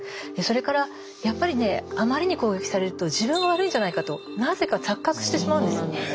それからやっぱりねあまりに攻撃されると自分が悪いんじゃないかとなぜか錯覚してしまうんです。